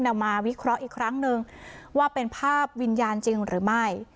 นำมาวิเคราะห์อีกครั้งนึงว่าเป็นภาพวิญญาณจริงหรือไม่